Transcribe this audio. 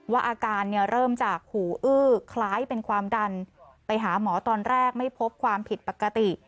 อาการเนี่ยเริ่มจากหูอื้อคล้ายเป็นความดันไปหาหมอตอนแรกไม่พบความผิดปกติ